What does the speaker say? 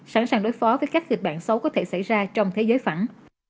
sẵn sàng đối phó với các kịch bản xấu có thể xảy ra trong thế giới phẳng